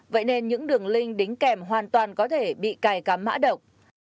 vậy nên những đường link đính kèm hoàn toàn có thể bị cài cắm mã độc